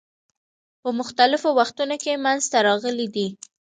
په مختلفو وختونو کې منځته راغلي دي.